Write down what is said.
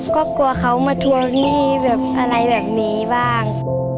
ก็กลัวเขามาทวงหนี้แบบอะไรแบบนี้บ้าง